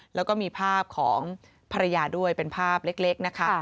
แล้วก็มีภาพของภรรยาด้วยเป็นภาพเล็กนะคะ